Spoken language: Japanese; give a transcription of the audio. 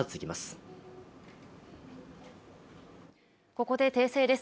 ここで訂正です。